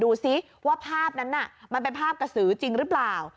ดูสิว่าภาพนั้นน่ะมันเป็นภาพกระสือจริงหรือเปล่า